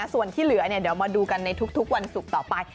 ส่วนที่เหลือเดี๋ยวมาดูกันในทุกวันศุกร์ต่อไป